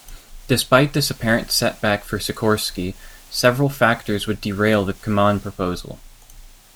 Despite this apparent setback for Sikorsky, several factors would derail the Kaman proposal.